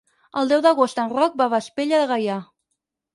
El deu d'agost en Roc va a Vespella de Gaià.